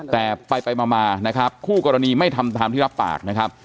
แต่ไปมานะครับคู่กรณีไม่ทำตามที่รับปากนะครับ